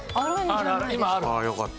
ああよかった。